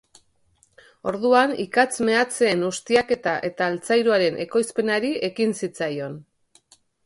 Orduan ikatz meatzeen ustiaketa eta altzairuaren ekoizpenari ekin zitzaion.